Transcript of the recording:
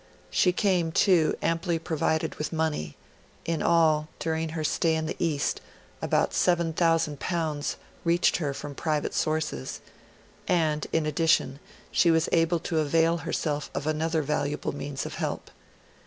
She came, too, amply provided with money in all, during her stay in the East, about L7,000 reached her from private sources; and, in addition, she was able to avail herself of another valuable means of help.